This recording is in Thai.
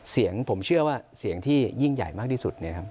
เสียงผมเชื่อว่าเสียงที่ยิ่งใหญ่มากที่สุดเนี่ยครับ